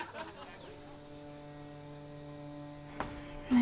何？